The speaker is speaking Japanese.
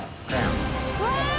うわ！